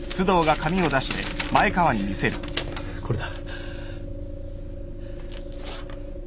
これだ。